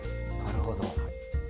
なるほど。